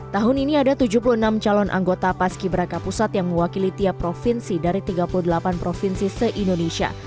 tahun ini ada tujuh puluh enam calon anggota paski beraka pusat yang mewakili tiap provinsi dari tiga puluh delapan provinsi se indonesia